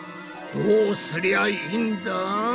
どうすりゃいいんだ！